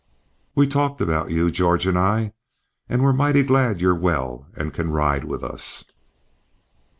We talked about you, George and I; we're mighty glad you're well and can ride with us."